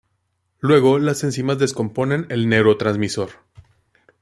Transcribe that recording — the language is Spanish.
Luego, las enzimas descomponen el neurotransmisor.